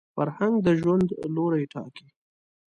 فرهنګ د ژوند لوري ټاکي